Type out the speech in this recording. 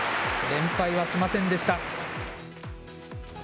連敗はしませんでした。